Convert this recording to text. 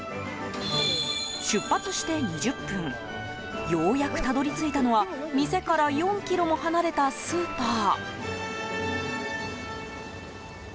出発して２０分ようやくたどり着いたのは店から４ｋｍも離れたスーパー。